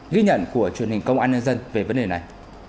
ghi nhận của truyền hình công an nhân dân về vấn đề này